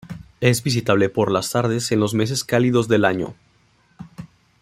Es visitable por las tardes en los meses cálidos del año.